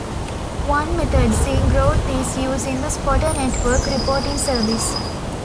One method seeing growth is using the Spotter Network reporting service.